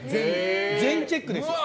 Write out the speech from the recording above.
全チェックですよ。